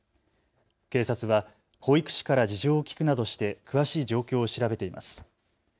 警察は保育士から事情を聞くなどして詳しい状況を調べています。